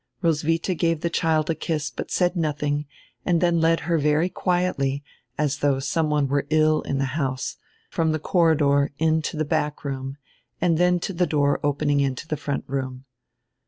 Roswitha gave die child a kiss, but said nothing, and then led her very quietly, as though some one were ill in the house, from die corridor into die back room and then to die door opening into die front room.